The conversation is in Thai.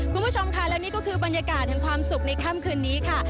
คุณผู้ชมค่ะและนี่ก็คือบรรยากาศแห่งความสุขในค่ำคืนนี้ค่ะ